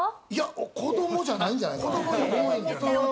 子どもじゃないんじゃないかな。